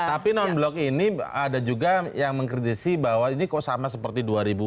tapi non block ini ada juga yang mengkritis bahwa ini kok sama seperti dua ribu empat belas